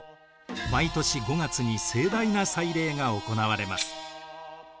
毎年５月に盛大な祭礼が行われます。